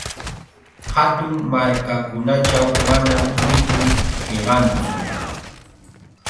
Hatun markakunachaw manam mikuy hiqantsu.